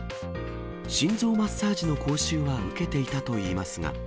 心臓マッサージの講習は受けていたといいますが。